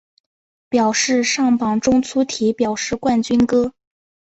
表示上榜中粗体表示冠军歌